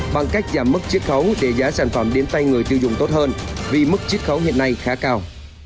bằng cách giảm mức chích khấu để giá sản phẩm đến tay người tiêu dùng tốt hơn vì mức chiết khấu hiện nay khá cao